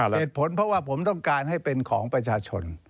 เหตุผลเพราะว่าผมต้องการให้เป็นของประชาชน